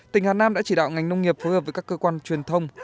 tỉnh hà nam đã chỉ đạo ngành nông nghiệp phối hợp với các cơ quan truyền thông